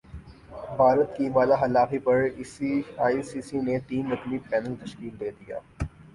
بھارت کی وعدہ خلافی پر ائی سی سی نے تین رکنی پینل تشکیل دیدیا